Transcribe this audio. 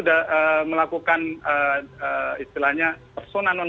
sudah melakukan istilahnya persona non